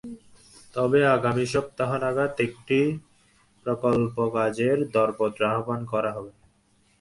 তবে আগামী সপ্তাহ নাগাদ একটি প্রকল্প কাজের দরপত্র আহ্বান করা হবে।